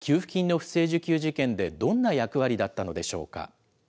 谷口容疑者は、給付金の不正受給事件でどんな役割だったのでしょうか。